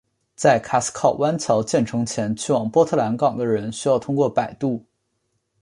在卡斯考湾桥建成前去往波特兰港的人需要通过摆渡。